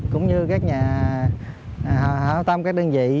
cũng như các nhà hảo tâm các đơn vị